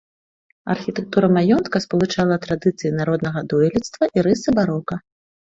Архітэктура маёнтка спалучала традыцыі народнага дойлідства і рысы барока.